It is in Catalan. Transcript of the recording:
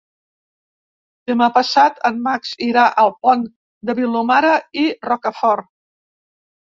Demà passat en Max irà al Pont de Vilomara i Rocafort.